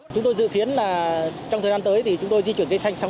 chúng tôi dự kiến là trong thời gian tới thì chúng tôi di chuyển cây xanh